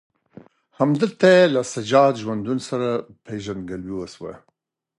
همدلته یې له سجاد ژوندون سره پېژندګلوي وشوه.